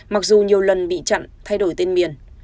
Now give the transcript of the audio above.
mặc dù nhiều lần bị chặn thay đổi tên miền